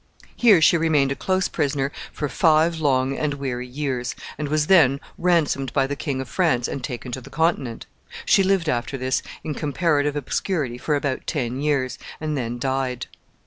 Here she remained a close prisoner for five long and weary years, and was then ransomed by the King of France and taken to the Continent. She lived after this in comparative obscurity for about ten years, and then died.